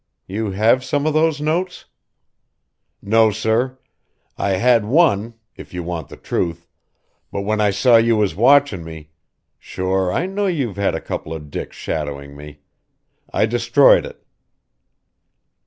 "You have some of those notes?" "No, sir. I had one if you want the truth but when I saw you was watchin' me sure, I know you've had a couple of dicks shadowing me I destroyed it."